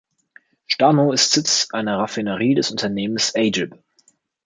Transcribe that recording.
Stagno ist Sitz einer Raffinerie des Unternehmens Agip.